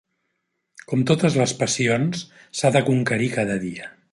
Com totes les passions s'ha de conquerir cada dia.